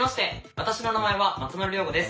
私の名前は松丸亮吾です。